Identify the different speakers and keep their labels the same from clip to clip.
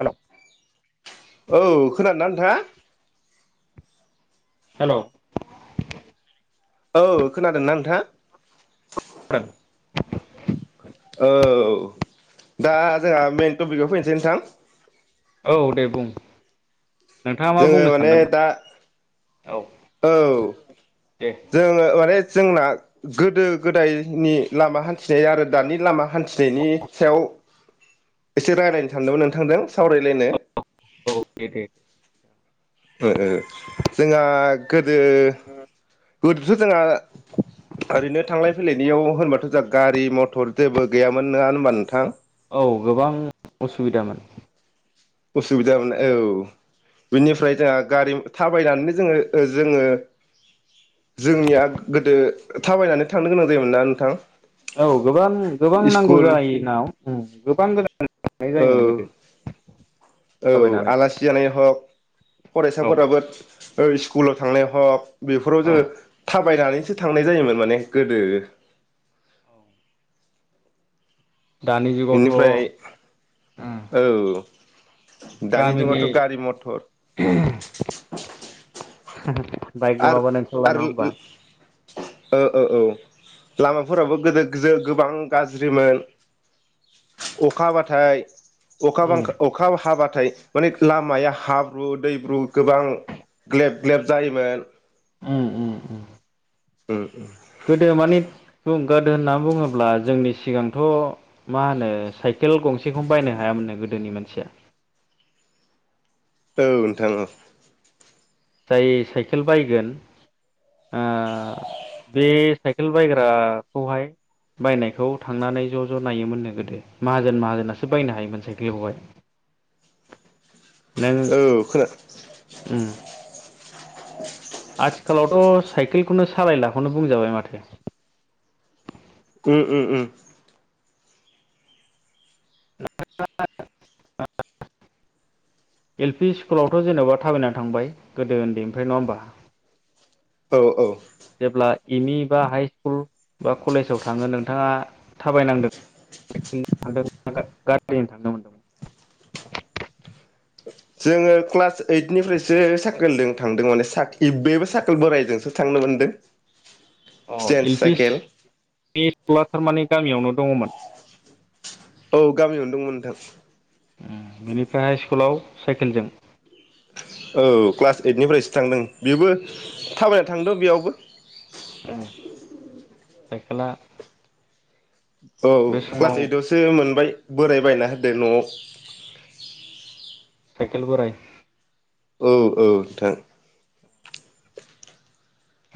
Speaker 1: हेल'
Speaker 2: औ खोनादों ना नोंथाङा?
Speaker 1: हेलौ।
Speaker 2: औ खोनादोंना नोंथां? औ दा जोंहा मेइन टपिकआव फैनोसै नोंथां।
Speaker 1: औ दे बुं। नोंथाङा मा
Speaker 2: जोङो
Speaker 1: बुंनो
Speaker 2: माने
Speaker 1: सानदोंमोन
Speaker 2: दा
Speaker 1: औ
Speaker 2: औ
Speaker 1: दे
Speaker 2: जोङो माने जोंना गोदो गोदायनि लामा हान्थि नाय आरो दानि लामा हान्थिनायनि सायाव एसे रायलायनो सानदोंमोन नोंथांजों। सावरायलायनो।
Speaker 1: औ दे दे
Speaker 2: ओ ओ। जोंहा गोदो गोदोथ' जोंहा ओरैनो थांलाय फैलायनायाव होनबाथ' जा गारि म थर जेबो गैयामोन नङा होनबा बा नों थां।
Speaker 1: औ गोबां असुबिदामोन।
Speaker 2: असुबिदा माने औ। बेनिफ्राय जोंहा गारि थाबायनानैनो जोङो ओ जोङो जोंनिया गोदो थाबायनानै थांनो गोनां जायोमोन ना नोंथां।
Speaker 1: औ गोबां गोबां नांगौ
Speaker 2: स्कुल
Speaker 1: जायोना गोबां गोदाननाय
Speaker 2: औ
Speaker 1: जायोमोन गोदो।
Speaker 2: औ
Speaker 1: थाबायनानै
Speaker 2: आलासि जानाय हक
Speaker 1: औ
Speaker 2: फरायसाफोराबो। स्कुलाव थांनाय हक। बेफोराव
Speaker 1: औ
Speaker 2: जोङो थाबायनानै। सो थांनाय जायोमोन माने गोदो।
Speaker 1: दानि जुगावथ'
Speaker 2: बेनिफ्राय औ। दानि
Speaker 1: गामनि
Speaker 2: जुगावथ' गारि
Speaker 1: [unintelligible]
Speaker 2: मथर
Speaker 1: [unintelligible] बाइक नङाबानो ओंखारला नङा होमबा।
Speaker 2: ओ ओ औ लामाफोराबो गोदो गोजो गोबां गाज्रिमोन अखा हाबाथाय। अखा
Speaker 1: उम
Speaker 2: बांखा अखा हाबाथाय। अनेग लामाया हाब्रु दैब्रु गोबां ग्लेब ग्लेब जायोमोन।
Speaker 1: उम-उम-उम।
Speaker 2: उम उम।
Speaker 1: गोदो माने बुंगाद होननानै बुङोब्ला जोंनि सिगांथ मा होनो साइकेल गंसेखौनो बायनो हायामोननो गोदोनि मानसिया।
Speaker 2: औ नोंथां औ।
Speaker 1: जाय साइकेल बायगोन ओ बे साइकेल बायग्राखौहाय बायनायखौ थांनानै ज ज नायोमोननो गोदो माहाजोन माहाजोनासो बायनो हायोमोन साइकेलखौहाय। नों
Speaker 2: औ खोना
Speaker 1: उम
Speaker 2: [inaudible]
Speaker 1: आथिखालावथ साइकेलखौनो सालायलाखौनो बुंजाबाय माथो।
Speaker 2: उम-उम-उम।
Speaker 1: [inaudible] एल पि स्कुलावथ जेनबा थाबायना थांबाय गोदो उन्दैनिफ्राय नङा होनबा।
Speaker 2: औ औ।
Speaker 1: जेब्ला एम इ बा हाइ स्कुल बा कलेजाव थाङो नोंथाङा। थाबायनांदों [inaudible] [unintelligible] थांनो मोनदोंमोन।
Speaker 2: जोङो क्लास ओइटनिफ्रायसो साकोलदों थांदों माने साक इ बेबो साकोल बोराइजोंसो थांनो मोनदों।
Speaker 1: अ
Speaker 2: स्टेन्स
Speaker 1: इलफिस
Speaker 2: साइकेल
Speaker 1: [inaudible] [unintelligible] थारमाने गामियावनो दङमोन।
Speaker 2: औ गामियावनो दंमोन नोंथां।
Speaker 1: उम बिनिफ्राय हाइ स्कुलाव साइकेलजों।
Speaker 2: औ क्लास ओइदनिफ्रायसो थांदों बेबो थाबायना थांदों बेयावबो।
Speaker 1: उम साइकेला‌।
Speaker 2: औ क्लास ओइदआवसो मोनबाय। बोराय बायना होदो न'आव।
Speaker 1: साइकेल बोराय।
Speaker 2: औ औ नोंथां।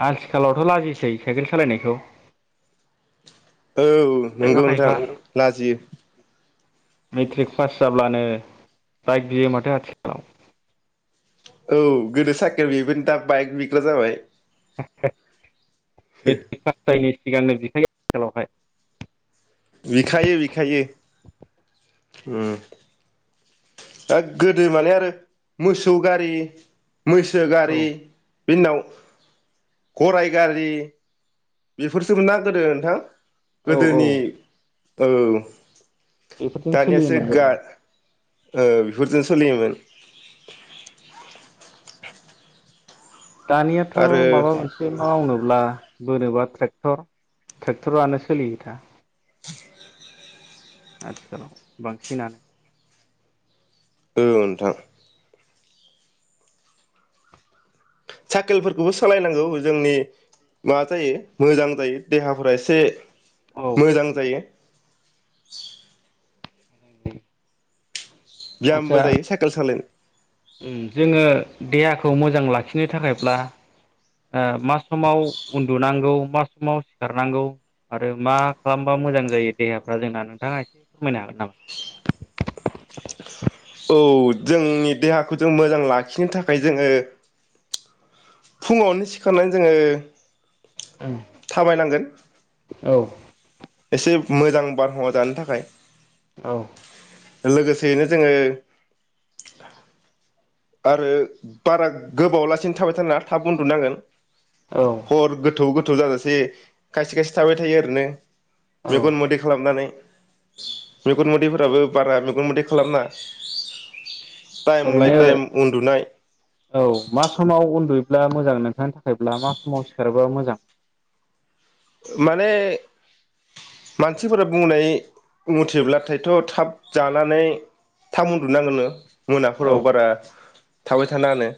Speaker 1: आथिखालावथ लाजिसै साइकेल सालायनायखौ।
Speaker 2: औ
Speaker 1: खायफा
Speaker 2: नंगौ नोंथां
Speaker 1: खायफा
Speaker 2: लाजियो।
Speaker 1: मेट्रिक पास जाब्लानो बाइक बियो माथो आथिखालाव।
Speaker 2: औ गोदो सायखेल बियोमोन दा बाइक बिग्रा जाबाय।
Speaker 1: [unintelligible] मेट्रिक पास जायिनि सिगांनो बिखायो आथिखालावहाय।
Speaker 2: बिखायो बिखायो। ओम ओ गोदो माने आरो मोसौ गारि मैसो
Speaker 1: औ
Speaker 2: गारि बिनि उनाव गराय गारि बेफोरसोमोन ना गोदो नोंथां।
Speaker 1: औ औ
Speaker 2: गोदोनि औ
Speaker 1: बेफोरजों
Speaker 2: दानियासो
Speaker 1: सोलियोमोन
Speaker 2: गा
Speaker 1: गोदो
Speaker 2: ओ बेफोरजों सोलियोमोन।
Speaker 1: दानियाथ'
Speaker 2: आरो
Speaker 1: माबा
Speaker 2: औ
Speaker 1: मोनसे मावनोब्ला बोनोबा ट्रेक्टर ट्रेक्टरानो सोलियो दा। आथिखालाव बांसिनानो।
Speaker 2: औ नोंथां। साइकेलफोरखौबो सलायनांगौ जोंनि मा जायो मोजां जायो देहाफोरा एसे
Speaker 1: औ
Speaker 2: मोजां जायो।
Speaker 1: [unintelligible]
Speaker 2: बियामबो जायो साइकेल सालायनो
Speaker 1: ओम जोङो देहाखौ मोजां लाखिनो थाखायब्ला ओ मा समाव उन्दुनांगौ मा समाव सिखारनांगौ आरो मा खालामबा मोजां जायो देहाफ्रा जोंना नोंथाङा एसे फोरमायनो हागोन नामा?
Speaker 2: औ जोंनि देहाखौ जों मोजां लाखिनो थाखाय जोङो फुङावनो सिखारनानै जोङो
Speaker 1: ओम
Speaker 2: थाबायनांगोन
Speaker 1: औ
Speaker 2: एसे मोजां बारहावा जानो थाखाय
Speaker 1: औ
Speaker 2: लोगोसेयैनो जोङो आरो बारा गोबावलासिनो थाबाय थानांआ थाब उन्दुनांगोन। हर गोथौ गो थौ जाजासे खायसे खायसे थाबाय थायो आरोने।
Speaker 1: औ
Speaker 2: मेगन मोदै खालामनानै मेगन मोदैफोराबो बारा मेगन मोदै खालाम‌ नाङा। टाइम लायद
Speaker 1: ओरैनो
Speaker 2: टाइम
Speaker 1: औ मा समाव उन्दुयोब्ला मोजां नोंथांनि थाखाय? ब्ला मा समाव सिखारो बा मोजां
Speaker 2: माने मानसिफोरा बुंनाय मथेब्लाथायथ' थाब जानानै थाब उन्दनांगो नो। मोनाफोराव
Speaker 1: औ
Speaker 2: बारा थाबाय थानांङा नो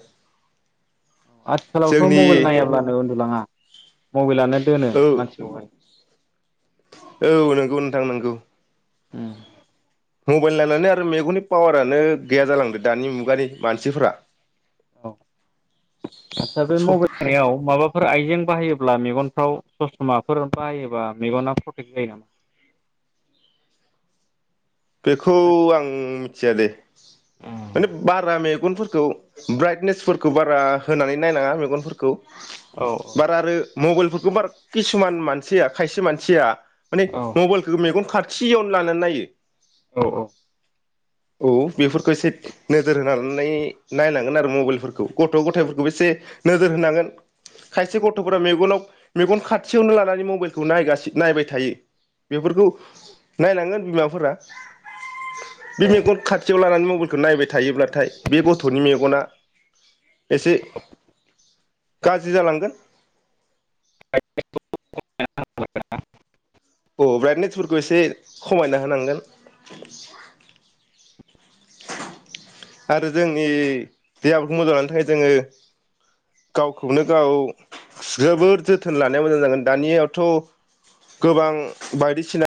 Speaker 1: आथिखालावथ' मबाइल नायाब्लानो उन्दु लांङा मबाइलानो दोनो
Speaker 2: औ
Speaker 1: मानसिखौहाय
Speaker 2: औ नोंगौ नोंथां नोंगौ
Speaker 1: उम
Speaker 2: मबाइल नायनानै आरो मेगननि पावारानो गैया जालांदो दानि मुगानि मानसिफोरा
Speaker 1: औ आटसा बे
Speaker 2: स'
Speaker 1: मबाइल नायनायाव माबा फोर आइजें बाहायोब्ला मेगनफ्राव ससमा फोर बाहायोबा मेगना प्रटेक्ट जायो नामा?
Speaker 2: बेखौ आं मिथिया दै माने बारा मेगनफोरखौ ब्राइटनेसफोरखौ बारा होनानै नायनांङा मेगनफोरखौ
Speaker 1: औ
Speaker 2: बारा आरो मबाइलफोरखौ बारा किसुमान मानसिया खायसे मानसिया माने
Speaker 1: औ
Speaker 2: मबाइलखौ मेगन खाथि फियन लानो नायो
Speaker 1: औ औ
Speaker 2: औ बेफोरखौ एसे नोजोर होनानै नायनांगोन आरो मबाइलफोरखौ गथ' गथायफोरखौ एसे नोजोर होनांगोन खायसे गथ'फोरा मेगनाव मेगन खाथियावनो लानानै मबाइलखौ नायगासिनो नायबाय थायो बेफोरखौ नायनांगोन बिमाफोरा [inaudible] बे
Speaker 1: औ
Speaker 2: मेगन खाथियाव लानानै म बाइलखौ नायबाय थायोब्ला नाथाय बे गथ'नि मेगना एसे गाज्रि जालांगोन।
Speaker 1: [unintelligible]
Speaker 2: अ ब्राइटनेसफोरखौ एसे खमायना होनांगोन आरो जोंनि देहाफोरखौ मोजां लानो थाखाय जोङो गावखौनो गाव जोबोर जोथोन लानाया मोजां जागोन दानियावथ' गोबां बायदिसिना